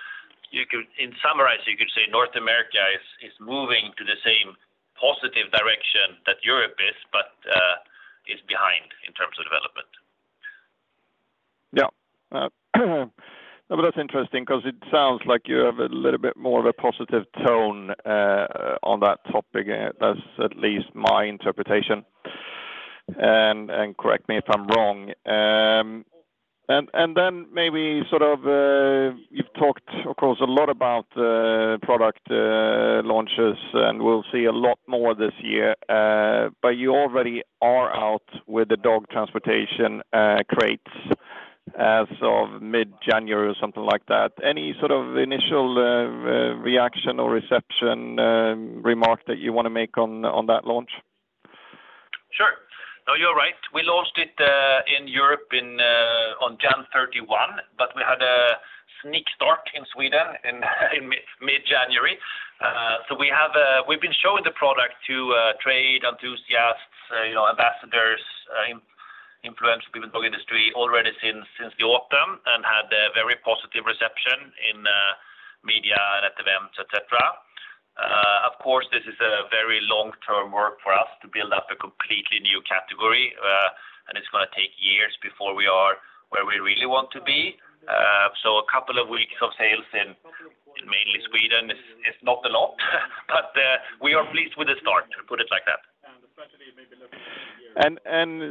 you could, in summarize, you could say North America is, is moving to the same positive direction that Europe is, but, is behind in terms of development. Yeah. But that's interesting because it sounds like you have a little bit more of a positive tone on that topic. That's at least my interpretation. And correct me if I'm wrong. And then maybe sort of you've talked, of course, a lot about product launches, and we'll see a lot more this year, but you already are out with the dog transportation crates as of mid-January or something like that. Any sort of initial reaction or reception remark that you want to make on that launch? Sure. No, you're right. We launched it in Europe on January 31, but we had a sneak start in Sweden in mid-January. So we have a—we've been showing the product to trade enthusiasts, you know, ambassadors, influential people in the industry already since the autumn and had a very positive reception in media and at events, et cetera. Of course, this is a very long-term work for us to build up a completely new category, and it's gonna take years before we are where we really want to be. So a couple of weeks of sales in mainly Sweden is not a lot, but we are pleased with the start, to put it like that.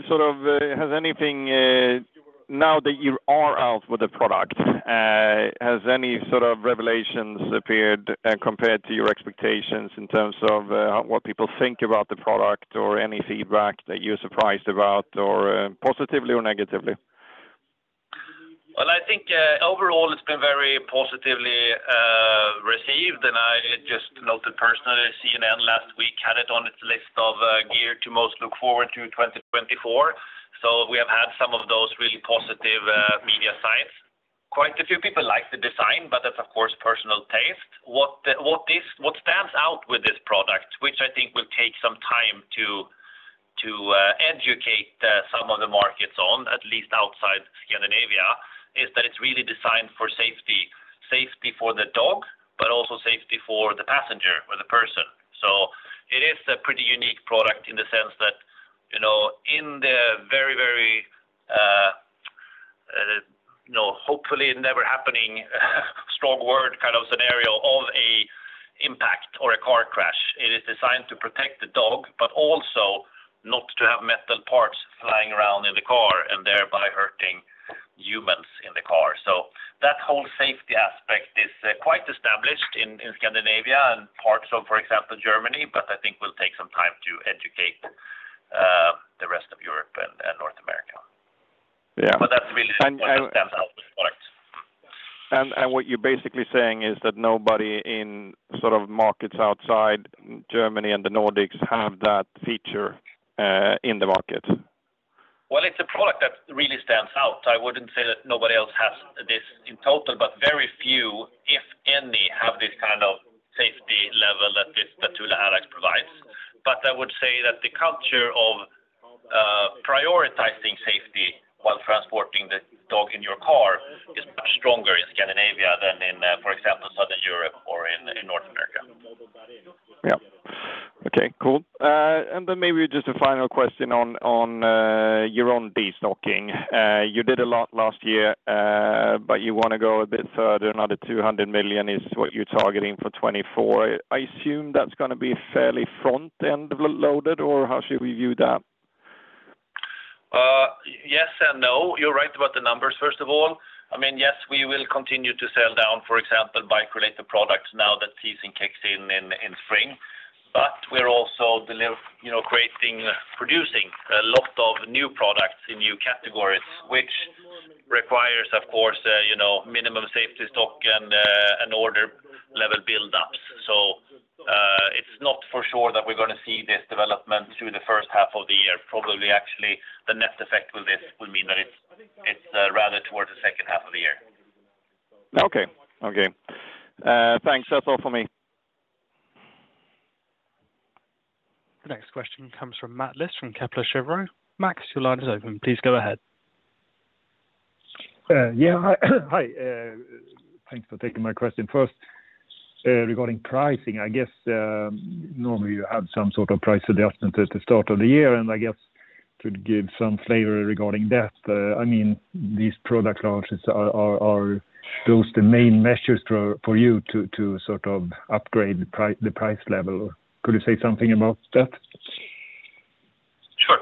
Sort of, has anything now that you are out with the product, has any sort of revelations appeared, compared to your expectations in terms of what people think about the product or any feedback that you're surprised about, or positively or negatively? Well, I think overall, it's been very positively received, and I just noted personally, CNL last week had it on its list of gear to most look forward to in 2024. So we have had some of those really positive media signs. Quite a few people like the design, but that's, of course, personal taste. What stands out with this product, which I think will take some time to educate some of the markets on, at least outside Scandinavia, is that it's really designed for safety. Safety for the dog, but also safety for the passenger or the person. So it is a pretty unique product in the sense that, you know, in the very, very, you know, hopefully never happening, strong word kind of scenario of a impact or a car crash, it is designed to protect the dog, but also not to have metal parts flying around in the car and thereby hurting humans in the car. So that whole safety aspect is quite established in Scandinavia and parts of, for example, Germany, but I think will take some time to educate the rest of Europe and North America. Yeah. But that's really what stands out with the product. What you're basically saying is that nobody in sort of markets outside Germany and the Nordics have that feature in the market? Well, it's a product that really stands out. I wouldn't say that nobody else has this in total, but very few, if any, have this kind of safety level that this, the Thule Allax provides. But I would say that the culture of prioritizing safety while transporting the dog in your car is much stronger in Scandinavia than in, for example, Southern Europe or in North America.... Yep. Okay, cool. And then maybe just a final question on your own destocking. You did a lot last year, but you want to go a bit further. Another 200 million is what you're targeting for 2024. I assume that's going to be fairly front-end loaded, or how should we view that? Yes and no. You're right about the numbers, first of all. I mean, yes, we will continue to sell down, for example, bike-related products now that season kicks in in spring. But we're also, you know, creating, producing a lot of new products in new categories, which requires, of course, you know, minimum safety stock and an order level build-ups. So, it's not for sure that we're going to see this development through the first half of the year. Probably, actually, the net effect will mean that it's rather towards the second half of the year. Okay. Okay. Thanks. That's all for me. The next question comes from Mats Liss from Kepler Cheuvreux. Mats, your line is open. Please go ahead. Yeah. Hi, thanks for taking my question. First, regarding pricing, I guess, normally you have some sort of price adjustment at the start of the year, and I guess to give some flavor regarding that, I mean, these product launches are those the main measures for you to sort of upgrade the price level? Could you say something about that? Sure.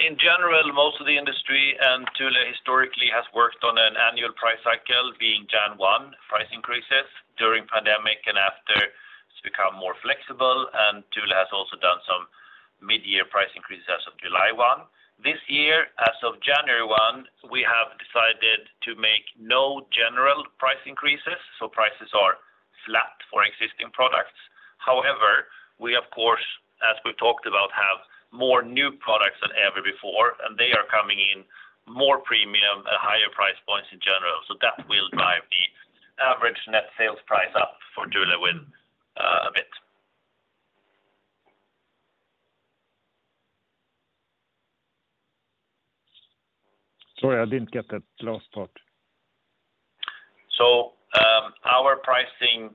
In general, most of the industry and Thule historically has worked on an annual price cycle, being January 1, price increases during pandemic and after it's become more flexible, and Thule has also done some mid-year price increases as of July 1. This year, as of January 1, we have decided to make no general price increases, so prices are flat for existing products. However, we, of course, as we've talked about, have more new products than ever before, and they are coming in more premium at higher price points in general. So that will drive the average net sales price up for Thule within a bit. Sorry, I didn't get that last part. So, our pricing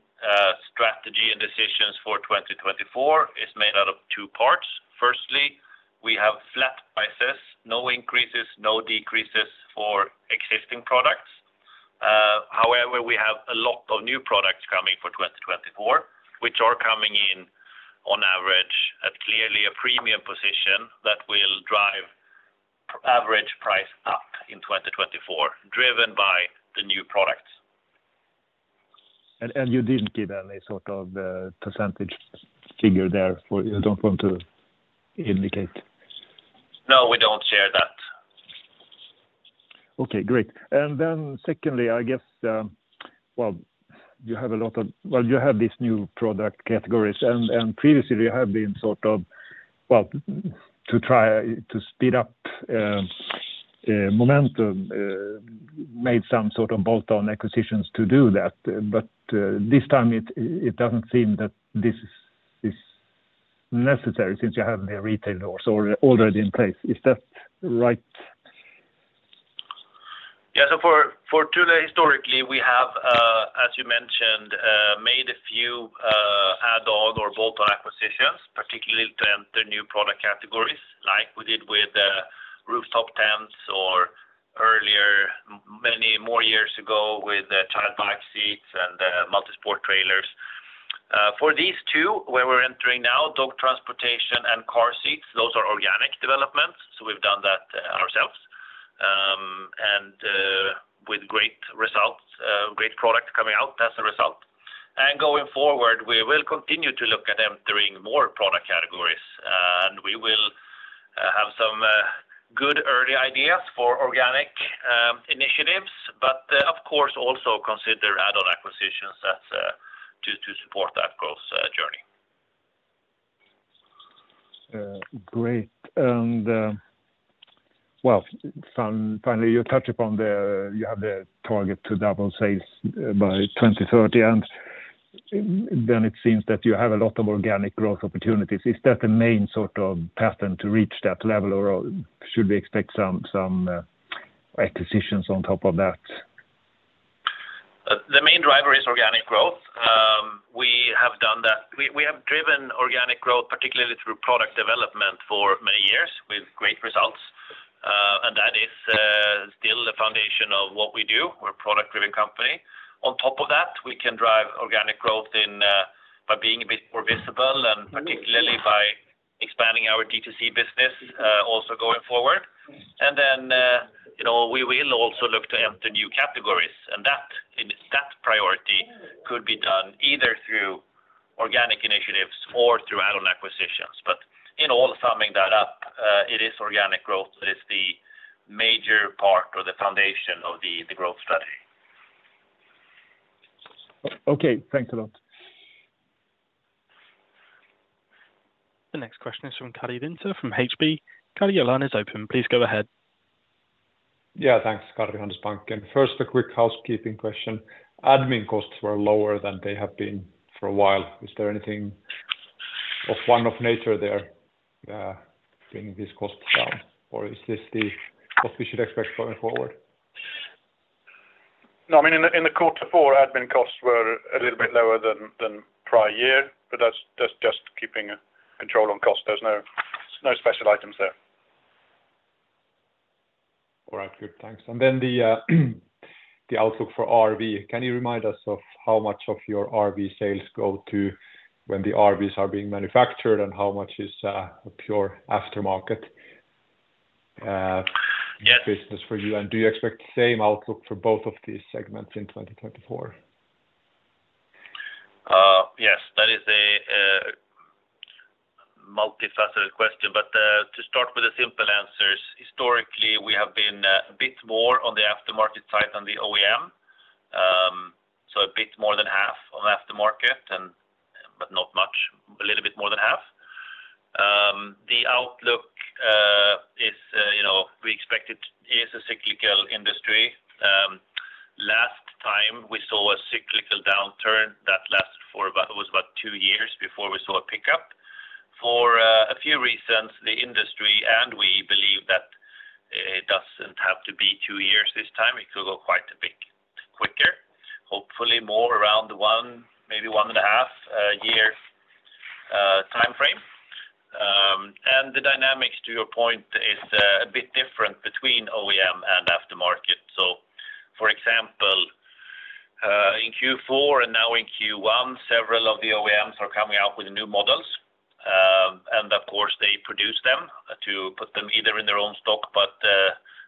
strategy and decisions for 2024 is made out of two parts. Firstly, we have flat prices, no increases, no decreases for existing products. However, we have a lot of new products coming for 2024, which are coming in on average at clearly a premium position that will drive average price up in 2024, driven by the new products. And you didn't give any sort of percentage figure there, for you don't want to indicate? No, we don't share that. Okay, great. And then secondly, I guess, well, you have this new product categories, and previously you have been sort of, well, to try to speed up momentum, made some sort of bolt-on acquisitions to do that. But this time it doesn't seem that this is necessary since you have the retail doors already in place. Is that right? Yeah. So for Thule, historically, we have, as you mentioned, made a few add-on or bolt-on acquisitions, particularly to enter new product categories, like we did with the rooftop tents or earlier, many more years ago, with the child bike seats and multisport trailers. For these two, where we're entering now, dog transportation and car seats, those are organic developments, so we've done that ourselves, and with great results, great product coming out as a result. And going forward, we will continue to look at entering more product categories, and we will have some good early ideas for organic initiatives, but of course, also consider add-on acquisitions that to support that growth journey. Great. And, well, finally, you touched upon the, you have the target to double sales by 2030, and then it seems that you have a lot of organic growth opportunities. Is that the main sort of pattern to reach that level, or should we expect some acquisitions on top of that? The main driver is organic growth. We have done that. We have driven organic growth, particularly through product development, for many years with great results, and that is still the foundation of what we do. We're a product-driven company. On top of the top of that, we can drive organic growth in by being a bit more visible and particularly by expanding our DTC business also going forward. And then you know, we will also look to enter new categories, and that, in that priority, could be done either through organic initiatives or through add-on acquisitions. But in all summing that up, it is organic growth that is the major part or the foundation of the growth strategy. Okay, thanks a lot. The next question is from Karri Rinta from HB. Karri, your line is open. Please go ahead. Yeah, thanks, Kari from Handelsbanken. First, a quick housekeeping question. Admin costs were lower than they have been for a while. Is there anything of a one-off nature there, bringing these costs down, or is this what we should expect going forward?... No, I mean, in the quarter four, admin costs were a little bit lower than prior year, but that's just keeping control on cost. There's no special items there. All right, good, thanks. And then the outlook for RV. Can you remind us of how much of your RV sales go to when the RVs are being manufactured, and how much is a pure aftermarket? Yes business for you? And do you expect the same outlook for both of these segments in 2024? Yes, that is a multifaceted question, but to start with the simple answers, historically, we have been a bit more on the aftermarket side than the OEM. So a bit more than half on aftermarket and, but not much, a little bit more than half. The outlook is, you know, we expect it is a cyclical industry. Last time we saw a cyclical downturn that lasted for about it was about two years before we saw a pickup. For a few reasons, the industry, and we believe that it doesn't have to be two years this time, it could go quite a bit quicker, hopefully more around the one, maybe 1.5 year timeframe. And the dynamics, to your point, is a bit different between OEM and aftermarket. So for example, in Q4 and now in Q1, several of the OEMs are coming out with new models. And of course, they produce them to put them either in their own stock, but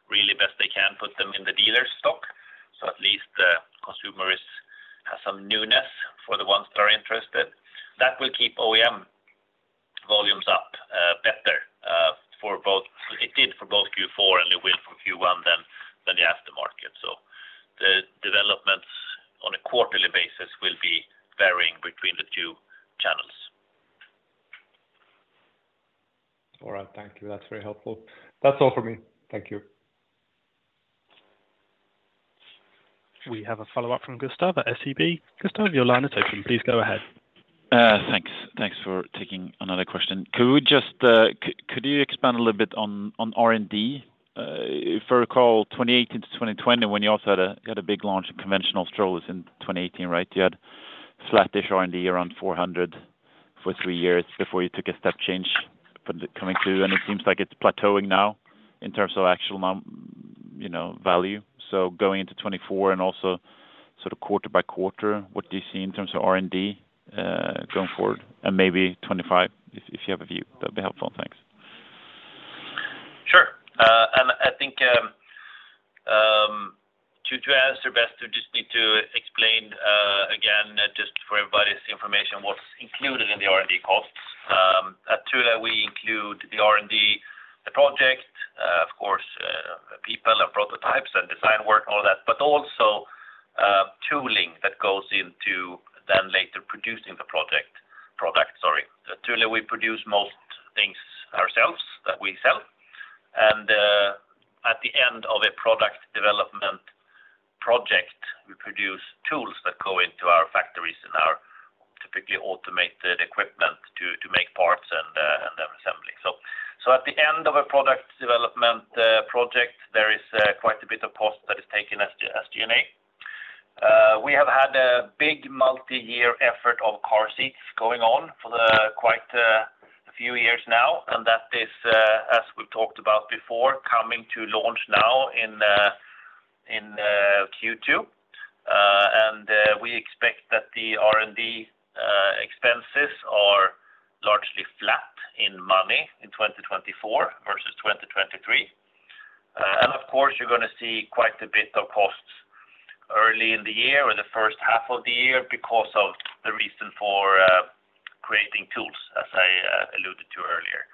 really best they can put them in the dealer stock. So at least the consumer is, has some newness for the ones that are interested. That will keep OEM volumes up, better, for both. It did for both Q4, and it will for Q1 than, than the aftermarket. So the developments on a quarterly basis will be varying between the two channels. All right. Thank you. That's very helpful. That's all for me. Thank you. We have a follow-up from Gustav at SEB. Gustav, your line is open. Please go ahead. Thanks. Thanks for taking another question. Could we just, could you expand a little bit on R&D? If I recall, 2018-2020, when you also had a big launch in conventional strollers in 2018, right? You had flattish R&D around 400 million for three years before you took a step change from the coming to, and it seems like it's plateauing now in terms of actual you know, value. So going into 2024 and also sort of quarter by quarter, what do you see in terms of R&D going forward? And maybe 2025, if you have a view, that'd be helpful. Thanks. Sure. And I think, to answer best, we just need to explain, again, just for everybody's information, what's included in the R&D costs. At Thule, we include the R&D, the project, of course, people and prototypes and design work, all that, but also, tooling that goes into then later producing the project, product, sorry. At Thule, we produce most things ourselves that we sell, and, at the end of a product development project, we produce tools that go into our factories and our typically automated equipment to make parts and, and then assembly. So, at the end of a product development project, there is, quite a bit of cost that is taken as SG&A. We have had a big multi-year effort of car seats going on for quite a few years now, and that is, as we've talked about before, coming to launch now in Q2. And we expect that the R&D expenses are largely flat in money in 2024 versus 2023. And of course, you're going to see quite a bit of costs early in the year or the first half of the year because of the reason for creating tools, as I alluded to earlier.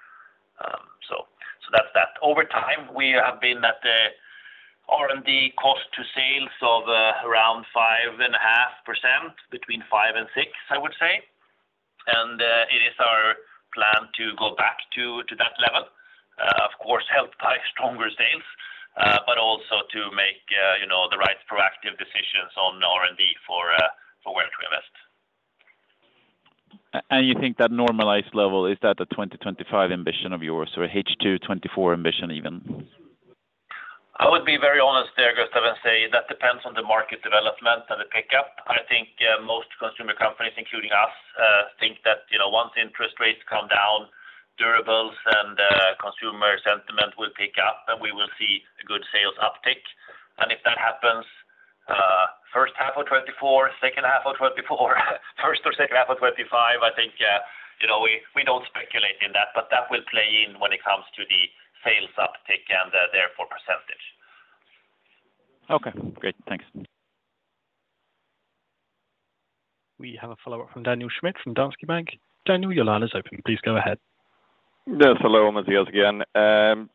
So, so that's that. Over time, we have been at the R&D cost to sales of around 5.5%, between 5%-6%, I would say. It is our plan to go back to that level, of course, helped by stronger sales, but also to make, you know, the right proactive decisions on R&D for where to invest. And you think that normalized level, is that a 2025 ambition of yours or a H2 2024 ambition even? I would be very honest there, Gustav, and say that depends on the market development and the pickup. I think most consumer companies, including us, think that, you know, once interest rates come down, durables and consumer sentiment will pick up, and we will see a good sales uptick. If that happens, first half of 2024, second half of 2024, first or second half of 2025, I think, you know, we don't speculate in that, but that will play in when it comes to the sales uptick and therefore percentage. Okay, great. Thanks. We have a follow-up from Daniel Schmidt from Danske Bank. Daniel, your line is open. Please go ahead. Yes, hello, Mattias again.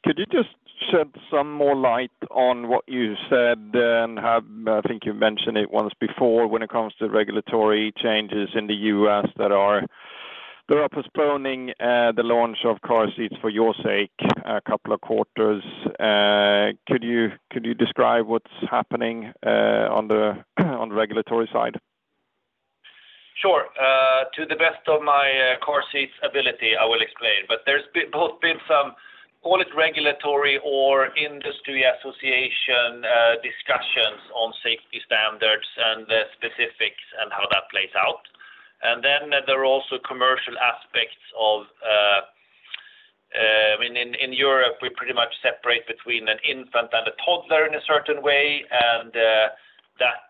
Could you just shed some more light on what you said then? I think you've mentioned it once before when it comes to regulatory changes in the U.S. that are postponing the launch of car seats for your sake a couple of quarters. Could you describe what's happening on the regulatory side?... Sure. To the best of my, car seat's ability, I will explain, but there's be- both been some, call it regulatory or industry association, discussions on safety standards and the specifics and how that plays out. And then there are also commercial aspects of, I mean, in, in Europe, we pretty much separate between an infant and a toddler in a certain way, and, that,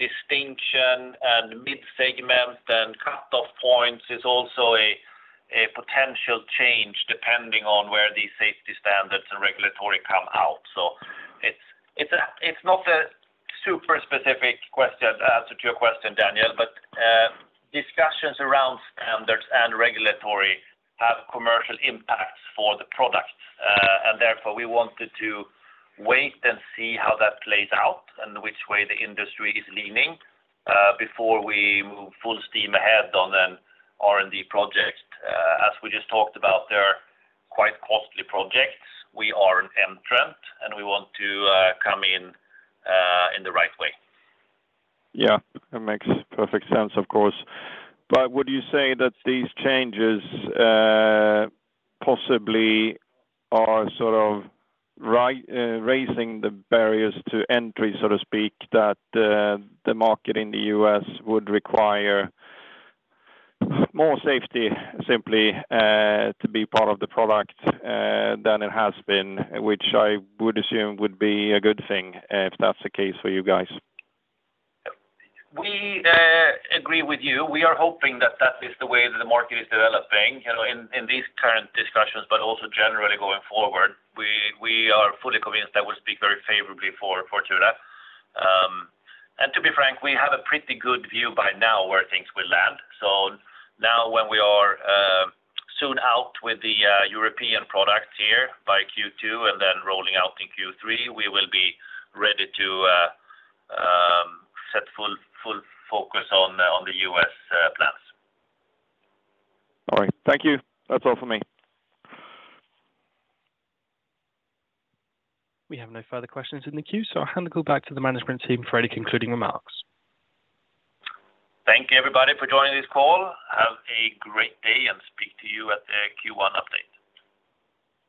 distinction and mid-segment and cutoff points is also a, a potential change depending on where these safety standards and regulatory come out. So it's, it's a, it's not a super specific question, to your question, Daniel, but, discussions around standards and regulatory have commercial impacts for the product. Therefore, we wanted to wait and see how that plays out and which way the industry is leaning before we move full steam ahead on an R&D project. As we just talked about, they're quite costly projects. We are an entrant, and we want to come in in the right way. Yeah, that makes perfect sense, of course. But would you say that these changes possibly are sort of raising the barriers to entry, so to speak, that the, the market in the US would require more safety, simply, to be part of the product than it has been, which I would assume would be a good thing, if that's the case for you guys? We agree with you. We are hoping that that is the way the market is developing, you know, in these current discussions, but also generally going forward. We are fully convinced that will speak very favorably for Thule. And to be frank, we have a pretty good view by now where things will land. So now when we are soon out with the European product here by Q2 and then rolling out in Q3, we will be ready to set full focus on the U.S. plans. All right. Thank you. That's all for me. We have no further questions in the queue, so I'll hand it back to the management team for any concluding remarks. Thank you, everybody, for joining this call. Have a great day, and speak to you at the Q1 update.